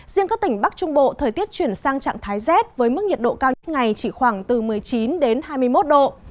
riêng các tỉnh bắc trung bộ thời tiết chuyển sang trạng thái z với mức nhiệt độ cao nhất ngày chỉ khoảng một mươi chín hai mươi một độ